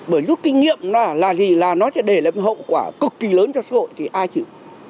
bởi rút kinh nghiệm là gì là nó sẽ để làm hậu quả cực kỳ lớn cho xã hội thì ai chịu